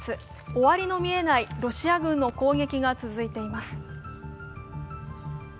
終わりの見えないロシア軍の攻撃が続いています。